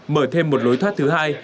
mở thêm một lối thoát thứ hai